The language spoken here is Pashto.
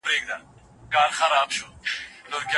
هیوادونه د چاپیریال د ککړتیا پر ضد په ګډه مبارزه کوي.